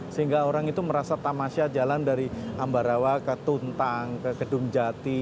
sehingga orang itu merasa tamasya jalan dari ambarawa ke tuntang ke kedung jati